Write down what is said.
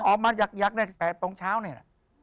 ออกมายักษ์ในแสดตรงเช้าเนี่ย